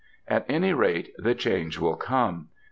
At any rate, the change will come.